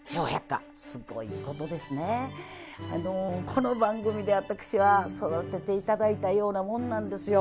この番組で私は育てて頂いたようなもんなんですよ。